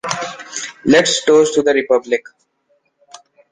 Let’s toast to the Republic!